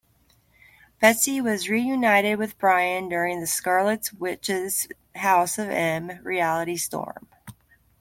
Betsy was reunited with Brian during the Scarlet Witch's "House of M" reality storm.